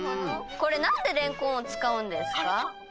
これなんでれんこんを使うんですか？